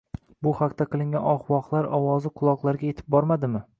bu haqda qilingan «oh-voh»lar ovozi quloqlariga yetib bormadimi?